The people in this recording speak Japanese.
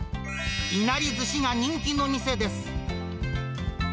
いなりずしが人気の店です。